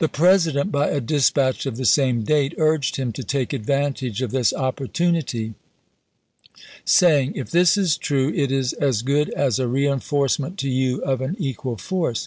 The President, ™<i by a dispatch of the same date, urged him to take advantage of this opportunity, saying : If this is true, it is as good as a reenforcement to you of an equal force.